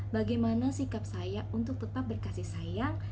bagaimana sikap saya untuk tetap berkasih sayang